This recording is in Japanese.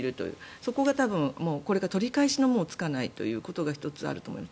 そこが多分、これが取り返しがつかないということが１つあると思います。